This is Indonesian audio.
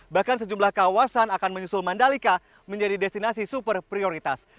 bahkan sejumlah kawasan akan menyusul mandalika menjadi destinasi super prioritas